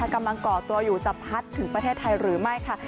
ก่อตัวอยู่จะพัดถึงประเทศไทยหรือไม่ค่ะ